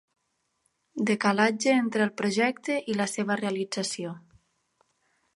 Decalatge entre el projecte i la seva realització.